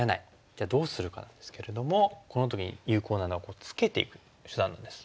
じゃあどうするかですけれどもこの時に有効なのはこうツケていく手段です。